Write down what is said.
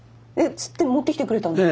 釣って持ってきてくれたんですか？